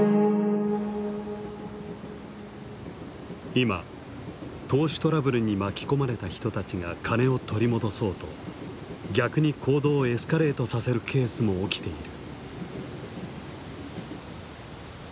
今投資トラブルに巻き込まれた人たちが金を取り戻そうと逆に行動をエスカレートさせるケースも起きている。